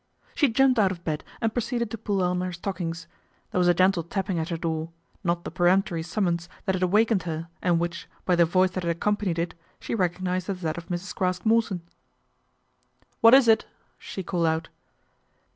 She jumped out of bed and proceeded to pull on her stockings. There was a gentle tapping at her door, not the peremptory summons that had awakened her and which, by the voice that had accompanied it, she recognised as that of Mrs. Craske Morton. " What is it ?" she called out.